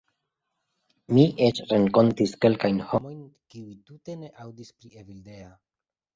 Mi eĉ renkontis kelkajn homojn kiuj tute ne aŭdis pri Evildea.